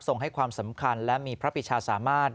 ให้ความสำคัญและมีพระพิชาสามารถ